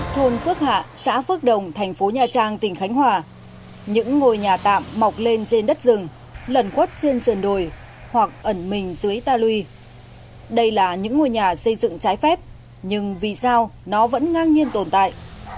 thôn phước hạ xã phước đồng thành phố nha trang tỉnh khánh hòa những ngôi nhà tạm mọc lên trên đất rừng lẩn khuất trên sườn đồi hoặc ẩn mình dưới ta lui đây là những ngôi nhà xây dựng trái phép nhưng vì sao nó vẫn ngang nhiên tồn tại